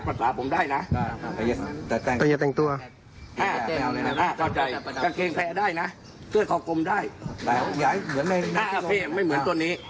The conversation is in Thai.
ก็ความความจะเป็นอย่างนั้น